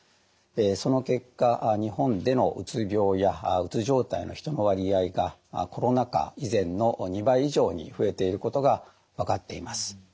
その結果日本でのうつ病やうつ状態の人の割合がコロナ禍以前の２倍以上に増えていることが分かっています。